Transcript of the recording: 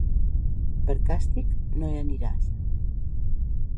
Per càstig no hi aniràs.